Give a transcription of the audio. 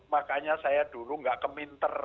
makanya saya dulu nggak keminter